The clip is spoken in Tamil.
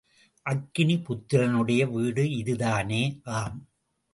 அக்கினி புத்திரனுடைய வீடு இதுதானே? ஆம்!